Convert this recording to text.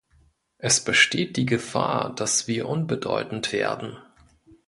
Es besteht die Gefahr, dass wir unbedeutend werden.